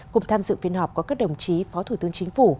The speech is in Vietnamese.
cùng tham dự phiên họp có các đồng chí phó thủ tướng chính phủ